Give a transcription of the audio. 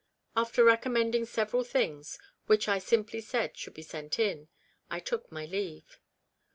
After recommending several things, which I simply said should be sent in, I took my leave.